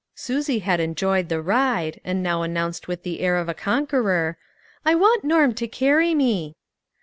Susie had enjoyed the ride, and now announced with the air of a conqueror, "I want Norm to carry me."